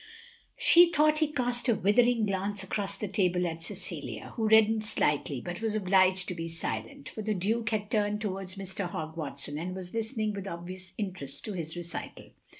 " She thought he cast a withering glance across the table at Cecilia, who reddened slightly, but was obliged to be silent; for the Duke had turned towards Mr. Hogg Watson and was listening with obvious interest to his recital.